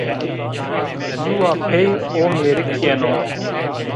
Cuwa pey o mêrik yeno